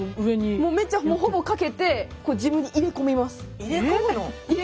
もうめっちゃほぼ掛けて自分に入れ込みます。